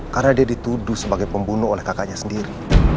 karena dia dituduh sebagai pembunuh oleh kakaknya sendiri